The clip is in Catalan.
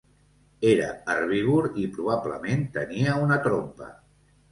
Era herbívor i probablement tenia una trompa.